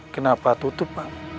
kenapa tutup pak